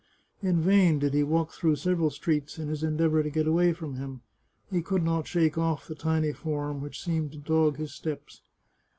In vain did he walk through several streets in his endeavour to get away from him. He could not shake off the tiny form which seemed to dog his steps.